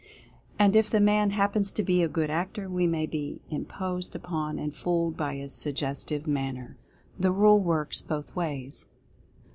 And if the man happens to be a good actor, we may be imposed upon and fooled by his Suggestive Manner. Direct Personal Influence 209 THE RULE WORKS BOTH WAYS.